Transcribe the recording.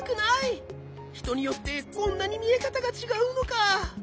ひとによってこんなにみえかたがちがうのか！